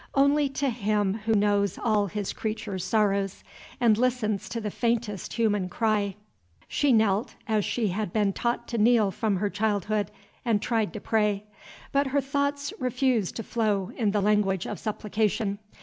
Only to Him who knows all His creatures' sorrows, and listens to the faintest human cry. She knelt, as she had been taught to kneel from her childhood, and tried to pray. But her thoughts refused to flow in the language of supplication.